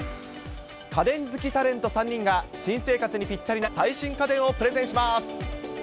家電好きタレント３人が、新生活にぴったりな最新家電をプレゼンします。